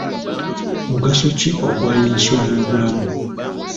Mugaso ki ogwa yinsuwa y'obulamu?